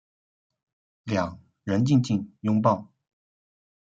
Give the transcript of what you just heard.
两人静静拥抱